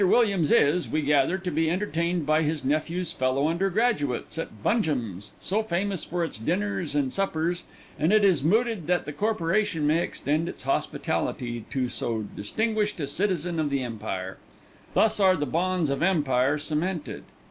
Williams is, we gather, to be entertained by his nephew's fellow undergraduates at Bungem's, so famous for its dinners and suppers, and it is mooted that the Corporation may extend its hospitality to so distinguished a citizen of the Empire. Thus are the bonds of Empire cemented.